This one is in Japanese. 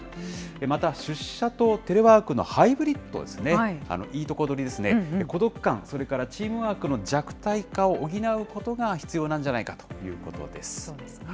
また、出社とテレワークのハイブリッドですね、いいとこ取りですね、孤独感、それからチームワークの弱体化を補うことが必要なんじゃないかということです。